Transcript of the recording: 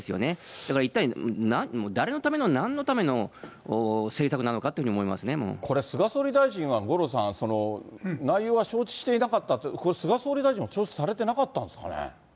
だから、一体誰のための、なんのための政策なのかというふうに思これ、菅総理大臣は五郎さん、内容は承知していなかったって、これ、菅総理大臣も承知してなかったんですかね。